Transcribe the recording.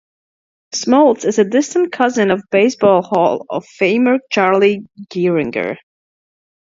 Smoltz is a distant cousin of baseball Hall of Famer Charlie Gehringer.